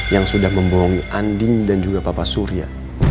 yang sudah membohongi andin dan juga papa surya